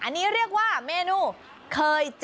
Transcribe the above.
อันนี้เรียกว่าเมนูเคยจิ